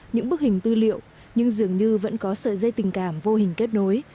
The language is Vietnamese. những bức hình tư liệu nhưng dường như vẫn có sợi dây tình cảm vô hình kết nối